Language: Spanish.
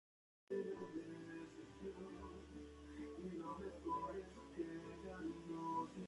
El pueblo entonces, ejercitó su soberanía y expresó clara y terminantemente su firme voluntad.